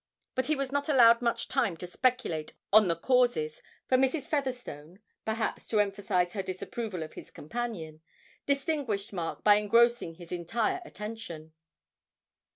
But he was not allowed much time to speculate on the causes, for Mrs. Featherstone (perhaps to emphasise her disapproval of his companion) distinguished Mark by engrossing his entire attention.